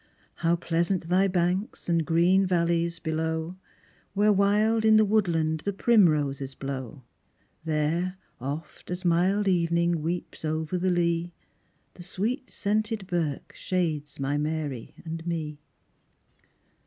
How pleasant thy banks and green valleys below, Where wild in the woodlands the primroses blow: There, oft as mild ev'ning weeps over the lea, The sweet scented birk shades my Mary and me.